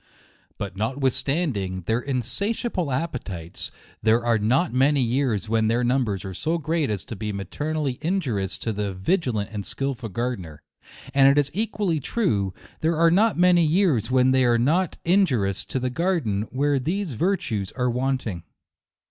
But notwith standing their insatiable appetites, there are not many years when their numbers are so great as to be materially injurious to the vi gilant and skilful gardener ; and it is equally true, there are not many years when they are not injurious to the garden where these vir tues are wanting.